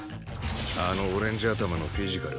あのオレンジ頭のフィジカル。